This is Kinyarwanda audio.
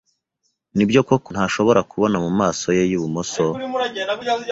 Nibyo koko ntashobora kubona mumaso ye yibumoso?